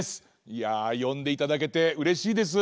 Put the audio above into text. いやよんでいただけてうれしいです。